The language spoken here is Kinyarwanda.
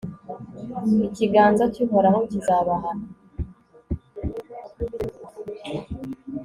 ikiganza cy'uhoraho kizabahana